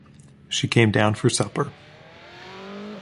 She came down for supper.